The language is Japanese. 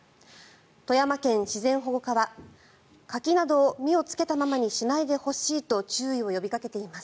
富山県自然保護課は柿など実をつけたままにしないでほしいと注意を呼びかけています。